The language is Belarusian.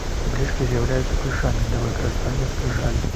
Таблічкі з'яўляюцца ключамі да выкарыстання скрыжалі.